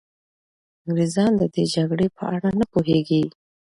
انګریزان د دې جګړې په اړه نه پوهېږي.